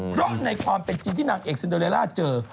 เพราะในความเป็นจริงที่นางเอกซินโดเรลล่าเจอ